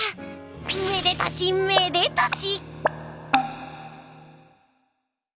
めでたしめでたし！